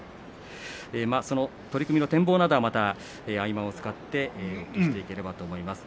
その取組の展望などはまた合間を使ってしていければと思います。